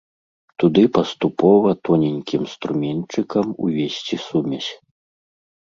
Туды паступова тоненькім струменьчыкам увесці сумесь.